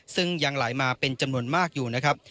ซึ่งยังไหลมาเป็นจำนวนมากอยู่นะครับ